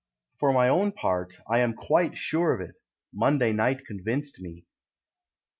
For my own part, I am quite sure of it: Monday night convinced me.